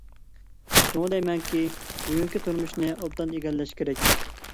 شۇڭا دەيمەنكى، بۈگۈنكى تۇرمۇشنى ئوبدان ئىگىلەش كېرەك.